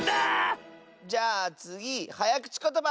じゃあつぎはやくちことば！